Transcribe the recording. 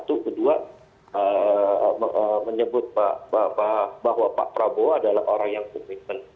nah saya sudah mengetahui bahwa pak prabowo adalah orang yang komitmen